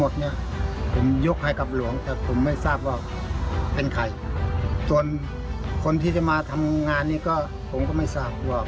กูยกฎกับหลวงแต่คุณว่าเพลงใครจนคนที่จะมาทำงานนี้ก็ผมก็ไม่ทราบว่า